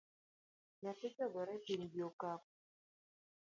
Nyathicha ogore piny gi okapu